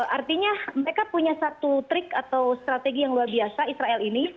artinya mereka punya satu trik atau strategi yang luar biasa israel ini